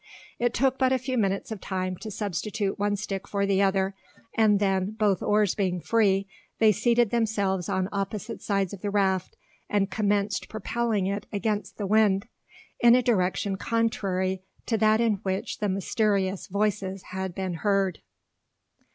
It took but a few minutes of time to substitute one stick for the other; and then, both oars being free, they seated themselves on opposite sides of the raft, and commenced propelling it against the wind, in a direction contrary to that in which the mysterious voices had been heard.